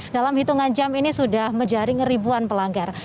dalam hitungan jam ini sudah menjaring ribuan pelanggar